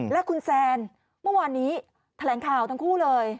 และคุณแซนเมื่อวานนี้แถลงข่าวทั้งคู่เลย